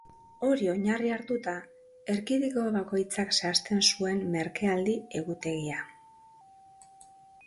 Hori oinarri hartuta, erkidego bakoitzak zehazten zuen merkealdi egutegia.